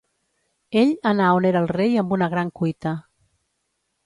Ell anà on era el rei amb una gran cuita.